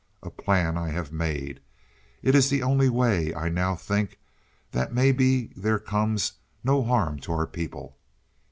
"A plan I have made. It is the only way I now think that may be there comes no harm to our people.